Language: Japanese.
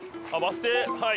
はい。